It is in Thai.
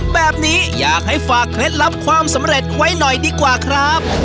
แบบนี้อยากให้ฝากเคล็ดลับความสำเร็จไว้หน่อยดีกว่าครับ